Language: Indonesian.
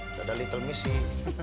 tidak ada little miss sih